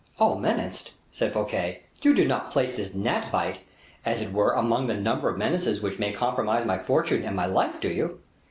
"Oh! menaced!" said Fouquet, "you do not place this gnat bite, as it were, among the number of menaces which may compromise my fortune and my life, do you?"